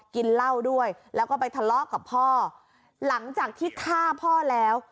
กินเหล้าด้วยแล้วก็ไปทะเลาะกับพ่อหลังจากที่ฆ่าพ่อแล้ว